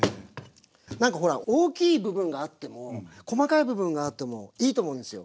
なんかほら大きい部分があっても細かい部分があってもいいと思うんですよ。